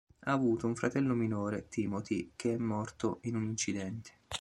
Ha avuto un fratello minore Timothy che è morto in un incidente.